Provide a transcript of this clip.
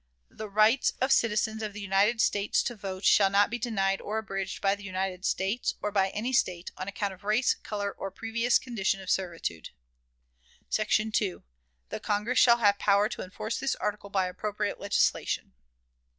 The right of citizens of the United States to vote shall not be denied or abridged by the United States, or by any State, on account of race, color, or previous condition of servitude. "SECTION 2. The Congress shall have power to enforce this article by appropriate legislation."